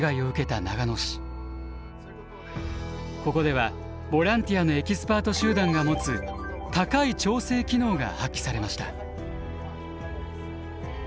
ここではボランティアのエキスパート集団が持つ「高い調整機能」が発揮されました。